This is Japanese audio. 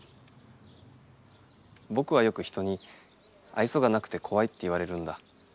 ぼくはよく人にあいそがなくてこわいって言われるんだ。